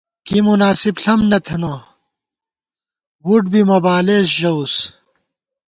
کی مناسِب ݪم نہ تھنہ وُٹ بی مہ بالېس ژَوُس